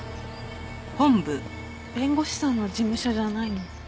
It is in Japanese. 弁護士さんの事務所じゃないの？